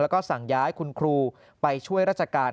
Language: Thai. แล้วก็สั่งย้ายคุณครูไปช่วยราชการ